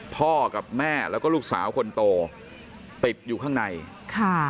พ่อกับแม่แล้วก็ลูกสาวคนโตติดอยู่ข้างในค่ะ